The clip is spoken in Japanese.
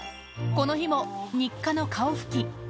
この日も、日課の顔拭き。